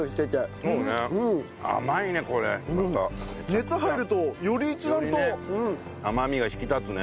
熱入るとより一段と。よりね甘みが引き立つね。